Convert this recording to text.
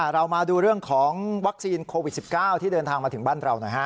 เรามาดูเรื่องของวัคซีนโควิด๑๙ที่เดินทางมาถึงบ้านเราหน่อยฮะ